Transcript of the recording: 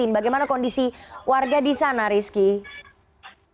bagaimana kondisi warga di sana rizky